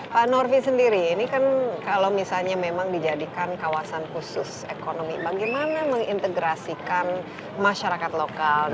pak norfi sendiri kalau memang di jadikan kawasan khusus ekonomi bagaimana mengintegrasikan masyarakat lokal